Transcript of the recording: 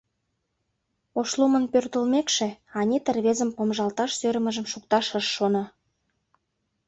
Ошлумын пӧртылмекше, Анита рвезым помыжалташ сӧрымыжым шукташ ыш шоно